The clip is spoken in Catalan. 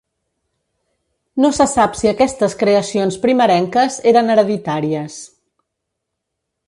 No se sap si aquestes creacions primerenques eren hereditàries.